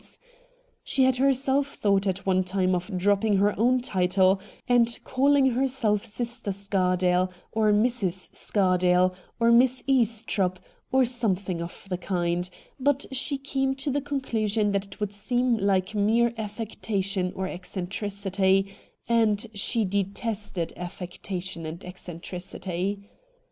148 RED DIAMONDS She had herself thought at one time of drop ping her own title and calling herself Sister Scardale or Mrs. Scardale or Miss Estropp or something of the kind ; but she came to the conclusion that it would seem like mere affecta tion or eccentricity, and she detested affectation and eccentricity.